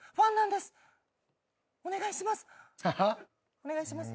お願いします。